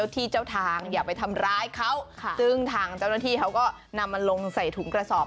ที่เจ้าทางอย่าไปทำร้ายเขาซึ่งทางเจ้าหน้าที่เขาก็นำมันลงใส่ถุงกระสอบ